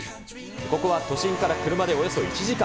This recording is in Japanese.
ここは都心から車でおよそ１時間。